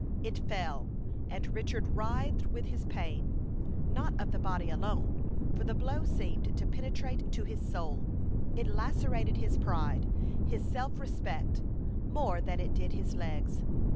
It fell, and Richard writhed with the pain, not of the body alone, for the blow seemed to penetrate to his soul. It lacerated his pride, his self respect, more than it did his legs.